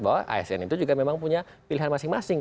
bahwa asn itu juga memang punya pilihan masing masing